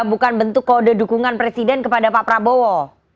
bukan bentuk kode dukungan presiden kepada pak prabowo